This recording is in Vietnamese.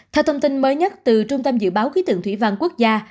theo thông tin mới nhất từ trung tâm dự báo ký tượng thủy vang quốc gia